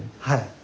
はい。